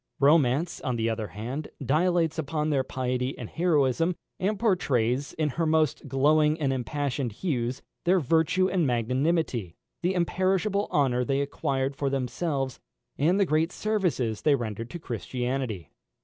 Romance, on the other hand, dilates upon their piety and heroism, and portrays, in her most glowing and impassioned hues, their virtue and magnanimity, the imperishable honour they acquired for themselves, and the great services they rendered to Christianity.